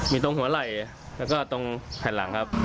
มีตรงหัวไหล่แล้วก็ตรงแผ่นหลังครับ